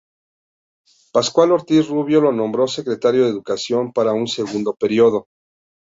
Pascual Ortiz Rubio lo nombró Secretario de Educación para un segundo periodo.